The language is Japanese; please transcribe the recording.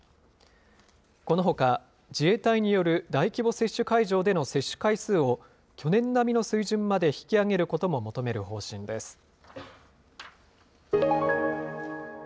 このほか、自衛隊による大規模接種会場での接種回数を、去年並みの水準まで引き上げることも求める方針です。